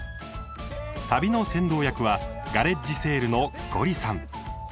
旅の先導役はガレッジセールのゴリさん。